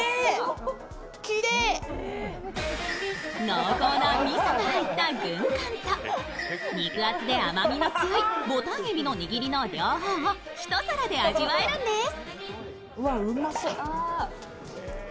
濃厚なみそが入った軍艦と肉厚で甘みの強いボタンえびのにぎりの両方を一皿で味わえるんです。